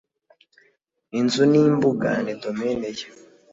inzu n'imbuga ni domaine ye